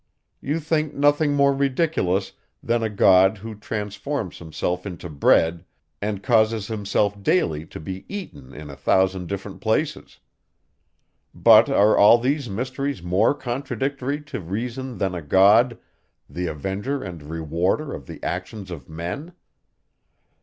You think nothing more ridiculous, than a God, who transforms himself into bread, and causes himself daily to be eaten in a thousand different places. But are all these mysteries more contradictory to reason than a God, the avenger and rewarder of the actions of men?